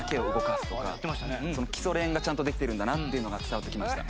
基礎練がちゃんとできてるんだなっていうのが伝わってきました。